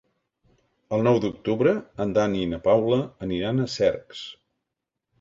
El nou d'octubre en Dan i na Paula aniran a Cercs.